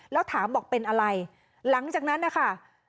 แล้วถามบอกเป็นอะไรหลังจากนั้นนะคะ